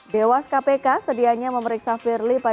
dewas kpk sedianya memeriksa firly